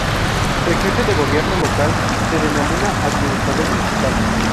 El jefe de gobierno local se denomina Administrador Municipal.